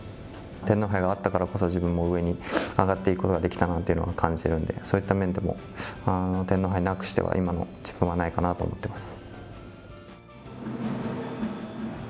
天皇杯があったからこそ、自分も上に上がっていくことができたなと感じてるんで、そういった面でも天皇杯なくしては今の自分はないかなと思ってます。